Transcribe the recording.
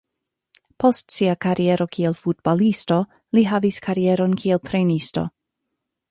Post sia kariero kiel futbalisto, li havis karieron kiel trejnisto.